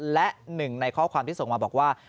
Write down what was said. และหนึ่งในข้อความที่ส่งมาบอกว่า